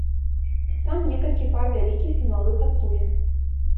Там некалькі пар вялікіх і малых адтулін.